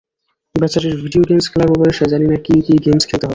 বেচারির video games খেলার বয়সে, জানি না কি কি গেমস খেলতে হবে!